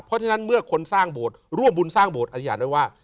เพราะฉะนั้นเมื่อคนสร้างบวชร่วมบุญสร้างบวชอธิษฐานด้วยว่า